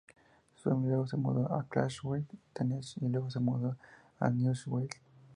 Su familia luego se mudó a Clarksville, Tennessee y luego se mudó a Nashville.